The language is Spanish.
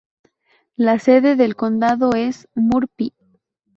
La sede del condado es Murphy.